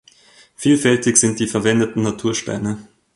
Vielfältig sind die verwendeten Natursteine.